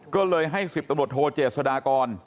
ก็เลยให้๑๐ตำรวจโทเจษฎากร